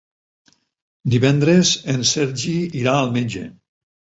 Divendres en Sergi irà al metge.